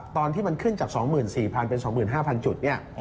ตอนที่มันขึ้นจาก๒๔๐๐เป็น๒๕๐๐จุดเนี่ย